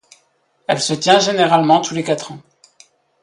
Elle se tient généralement tous les quatre ans.